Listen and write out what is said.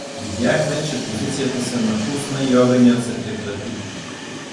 Видяхме, че позицията се напусна и огънят се прекрати.